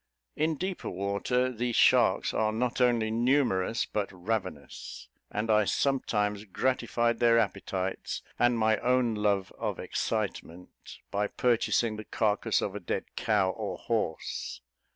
In deeper water, the sharks are not only numerous but ravenous; and I sometimes gratified their appetites, and my own love of excitement, by purchasing the carcass of a dead cow, or horse.